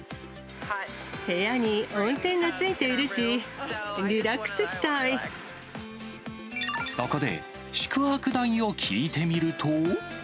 部屋に温泉が付いているし、そこで、宿泊代を聞いてみる